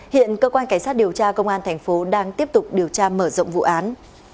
hiện cơ quan cảnh sát điều tra công an thành phố đang tiếp tục điều tra mở rộng vụ án